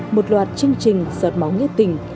một loạt chương trình giọt máu nhất tình